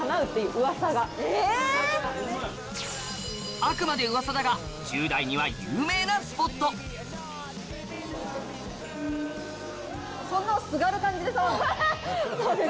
あくまでうわさだが１０代には有名なスポットそうです